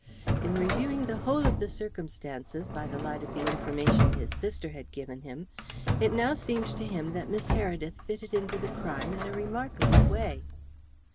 In reviewing the whole of the circumstances by the light of the information his sister had given him, it now seemed to him that Miss Heredith fitted into the crime in a remarkable way.